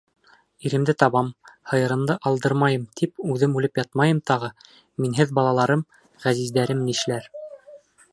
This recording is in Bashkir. «Иремде табам, һыйырымды алдырмайым, тип, үҙем үлеп ятмайым тағы, минһеҙ балаларым, ғәзиздәрем нишләр».